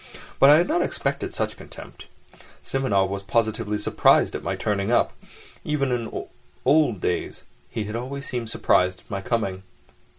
But I had not expected such contempt. Simonov was positively surprised at my turning up. Even in old days he had always seemed surprised at my coming.